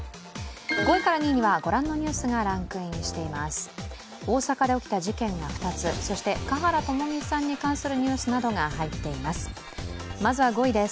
５位から２位にはご覧のニュースがランクインしています。